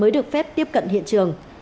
được phép tiếp cận hiện trường